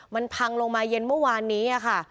มันพังลงมาเย็นเมื่อวานนี้ค่ะ